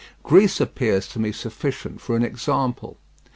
Greece appears to me sufficient for an example.